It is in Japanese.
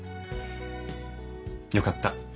よかった。